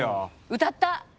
歌った。